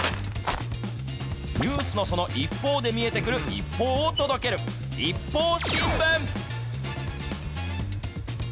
ニュースのその一方で見えてくる一報を届ける、ＩＰＰＯＵ新聞。